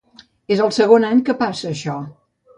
És el segon any que passa això.